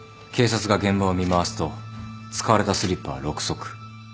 警察が現場を見回すと使われたスリッパは６足。